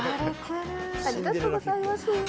ありがとうございます。